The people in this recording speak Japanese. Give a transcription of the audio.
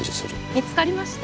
見つかりました？